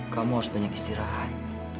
kamu harus banyak istirahat